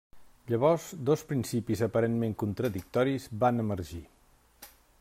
Llavors, dos principis aparentment contradictoris van emergir.